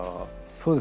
そうですね。